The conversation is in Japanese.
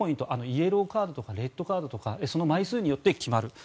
イエローカードとかレッドカードの枚数によって決まる。